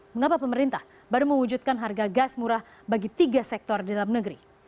mengapa pemerintah baru mewujudkan harga gas murah bagi tiga sektor dalam negeri